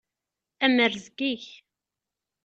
Am rrezg-ik!